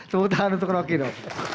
semoga tahan untuk rocky dong